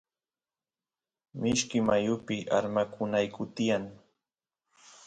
mishki mayupi armakunayku tiyan